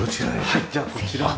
はいじゃあこちらで。